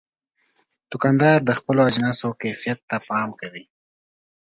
دوکاندار د خپلو اجناسو کیفیت ته پام کوي.